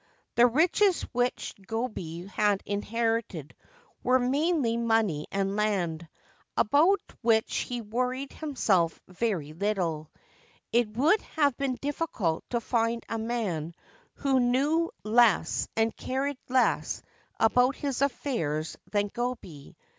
The riches which Gobei had inherited were mainly money and land, about which he worried himself very little ; it would have been difficult to find a man who knew less and cared less about his affairs than Gobei.